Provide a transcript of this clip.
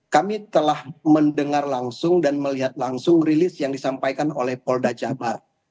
kami telah mendengar langsung dan melihat langsung rilis yang disampaikan oleh polda jabar